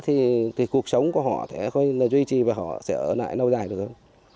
thì cuộc sống của họ sẽ không duy trì và họ sẽ ở lại lâu dài được